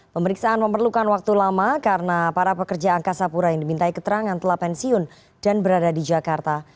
pemeriksaan memerlukan waktu lama karena para pekerja angkasa pura yang dimintai keterangan telah pensiun dan berada di jakarta